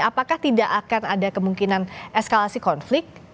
apakah tidak akan ada kemungkinan eskalasi konflik